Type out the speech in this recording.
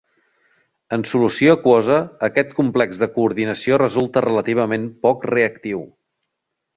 En solució aquosa aquest complex de coordinació resulta relativament poc reactiu.